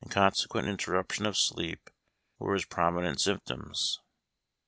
299 consequent interruption of sleep, were his promi nent symptoms.